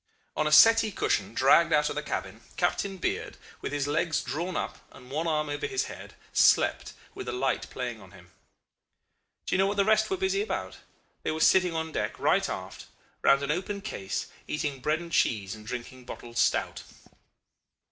On a settee cushion dragged out of the cabin, Captain Beard, with his legs drawn up and one arm under his head, slept with the light playing on him. Do you know what the rest were busy about? They were sitting on deck right aft, round an open case, eating bread and cheese and drinking bottled stout.